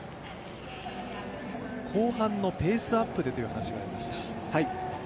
後半のペースアップという話がありました。